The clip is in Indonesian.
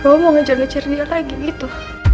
kamu mau ngejar ngejar dia lagi gitu